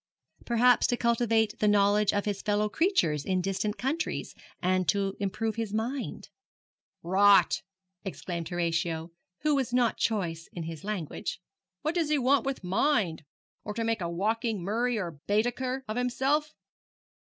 'Perhaps to cultivate the knowledge of his fellow creatures in distant countries, and to improve his mind.' 'Rot!' exclaimed Horatio, who was not choice in his language. 'What does he want with mind? or to make a walking Murray or Baedeker of himself?